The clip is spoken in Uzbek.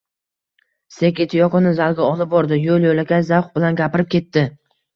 Seki Tiyokoni zalga olib bordi, yo`l-yo`lakay zavq bilan gapirib ketdi